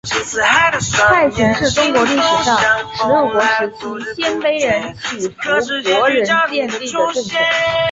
西秦是中国历史上十六国时期鲜卑人乞伏国仁建立的政权。